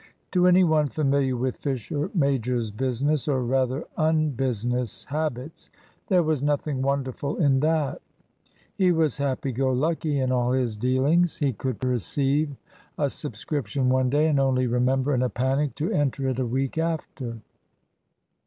To any one familiar with Fisher major's business or, rather, unbusiness habits, there was nothing wonderful in that. He was happy go lucky in all his dealings. He could receive a subscription one day, and only remember, in a panic, to enter it a week after.